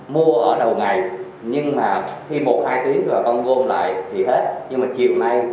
mua ở đầu ngày nhưng mà khi một hai tiếng rồi bà con gom lại thì hết nhưng mà chiều nay